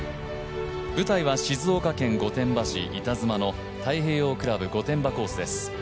舞台は静岡県御殿場市太平洋クラブ御殿場コースです。